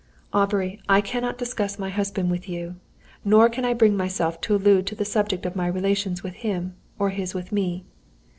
"Aubrey, I cannot discuss my husband with you; nor can I bring myself to allude to the subject of my relations with him, or his with me.